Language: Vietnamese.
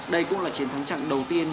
đây cũng là chiến thắng trạng đầu tiên